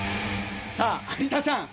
さあ有田さん